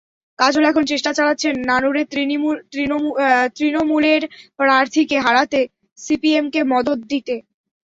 কাজল এখন চেষ্টা চালাচ্ছেন নানুরে তূণমূলের প্রার্থীকে হারাতে সিপিএমকে মদদ দিতে।